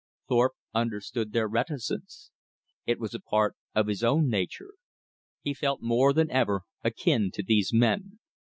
Thorpe understood their reticence. It was a part of his own nature. He felt more than ever akin to these men.